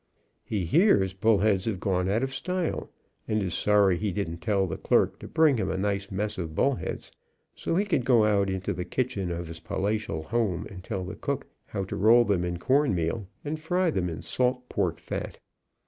He hears bullheads have gone out of style, and is sorry he didn't tell the clerk to bring him a nice mess of bullheads, so he could go out into the kitchen of his palatial home and tell the cook how to roll them in cornmeal, and fry them in salt pork fat.